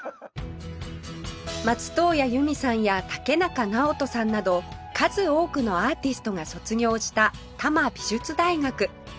松任谷由実さんや竹中直人さんなど数多くのアーティストが卒業した多摩美術大学